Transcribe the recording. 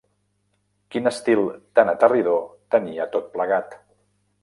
Quin estil tan aterridor tenia tot plegat.